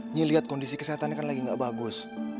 ini lihat kondisi kesehatannya kan lagi gak bagus